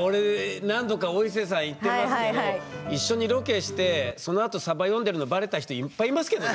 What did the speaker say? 俺何度かお伊勢さん行ってますけど一緒にロケしてそのあとさば読んでるのバレた人いっぱいいますけどね。